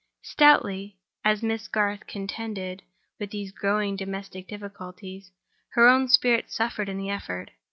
Stoutly as Miss Garth contended with these growing domestic difficulties, her own spirits suffered in the effort.